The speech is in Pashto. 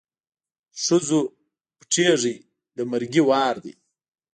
ښځو پټېږی د مرګي وار دی